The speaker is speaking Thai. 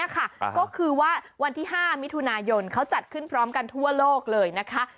ก็คือว่าวันที่๕มิถุนายนเขาจัดขึ้นพร้อมกันทั่วโลกเลยนะคะ